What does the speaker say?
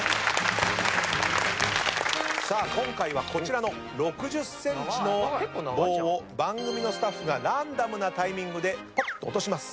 さあ今回はこちらの６０ｃｍの棒を番組のスタッフがランダムなタイミングでぱっと落とします。